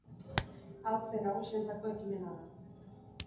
Haur zein nagusientzako ekimena da.